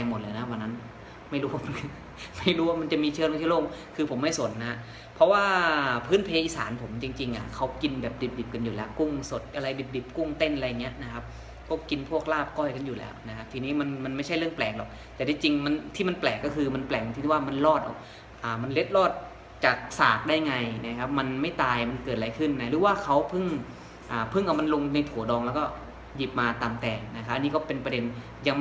กุ้งเต้นอะไรอย่างเงี้ยนะครับก็กินพวกราบก้อยกันอยู่แล้วนะครับทีนี้มันมันไม่ใช่เรื่องแปลกหรอกแต่ที่จริงมันที่มันแปลกก็คือมันแปลกคือว่ามันรอดอ่ะอ่ามันเล็ดรอดจากสากได้ไงนะครับมันไม่ตายมันเกิดอะไรขึ้นหรือว่าเขาเพิ่งอ่าเพิ่งเอามันลงในถัวดองแล้วก็หยิบมาตามแตงนะครับนี่ก็เป็นประเด็นย